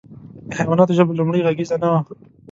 د حیواناتو ژبه لومړۍ غږیزه نه وه.